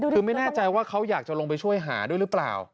คือไม่แน่ใจว่าเขาอยากจะลงไปช่วยหาด้วยหรือเปล่า